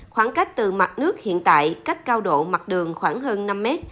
khoảng cách từ mặt nước hiện tại cách cao độ mặt đường khoảng hơn năm mét